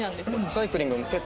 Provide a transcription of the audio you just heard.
サイクリング結構。